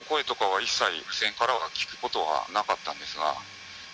お客さんの声とかは一切、無線からは聞くことはなかったんですが。